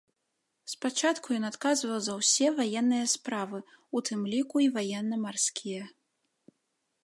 Спачатку ён адказваў за ўсе ваенныя справы, у тым ліку і ваенна-марскія.